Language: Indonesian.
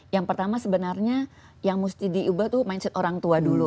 yang pertama sebenarnya yang mesti diubah tuh mindset orang tua dulu